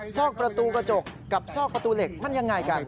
ซอกประตูกระจกกับซอกประตูเหล็กมันยังไงกัน